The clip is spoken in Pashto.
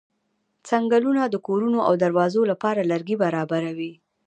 څنګلونه د کورونو او دروازو لپاره لرګي برابروي.